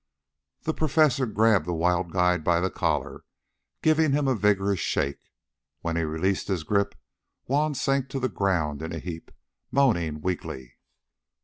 The Professor grabbed the wild guide by the collar, giving him a vigorous shake. When he released his grip, Juan sank to the ground in a heap, moaning weakly.